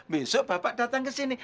besok bapak datang kesini